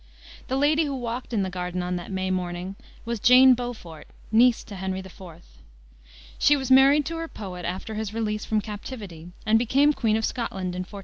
The lady who walked in the garden on that May morning was Jane Beaufort, niece to Henry IV. She was married to her poet after his release from captivity and became Queen of Scotland in 1424.